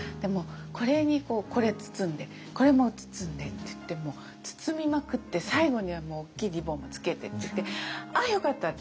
これにこれ包んでこれも包んでっていって包みまくって最後には大きいリボンもつけてって「ああよかった」って。